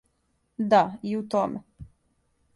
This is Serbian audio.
Да, и у томе.